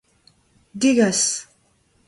degas